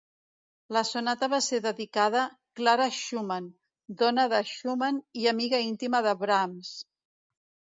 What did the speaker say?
La sonata va ser dedicada Clara Schumann, dona de Schumann i amiga íntima de Brahms.